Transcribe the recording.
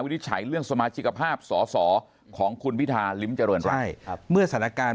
วิจัยเรื่องสมาชิกภาพสอของคุณพิธาลิ้มจริงใช่เมื่อสถานการณ์